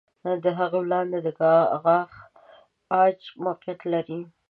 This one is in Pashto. د هغه لاندې د غاښ عاج موقعیت لري.